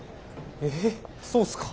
えっそうすか？